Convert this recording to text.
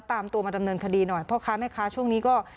ตามตัวมาดำเนินคดีหน่อยพ่อค้าแม่ค้าช่วงนี้ก็